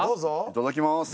いただきます。